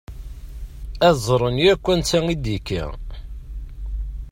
Ad ẓṛen akk ansa i d-yekka.